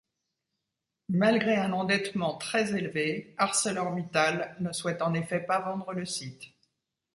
Malgré un endettement très élevé, ArcelorMittal ne souhaite en effet pas vendre le site.